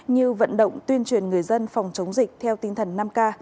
như vận động tuyên truyền người dân phòng chống dịch theo tinh thần năm k